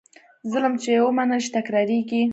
ظلم چې ومنل شي، تکرارېږي.